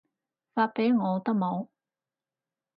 發畀我得冇